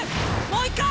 もう一回！